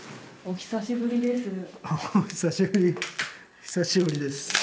お久しぶりです。